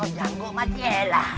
oh jago mati ya lah